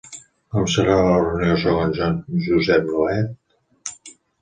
Com serà la reunió segons Joan Josep Nuet?